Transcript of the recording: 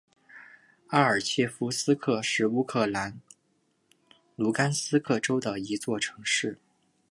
阿尔切夫斯克是乌克兰卢甘斯克州的一座城市。